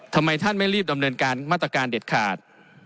ทำไมท่านไม่รีบดำเนินการมาตรการเด็ดขาด